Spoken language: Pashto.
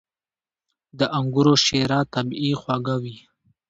• د انګورو شیره طبیعي خوږه وي.